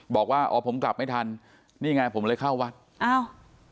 บอกว่าอ๋อผมกลับไม่ทันนี่ไงผมเลยเข้าวัดอ้าว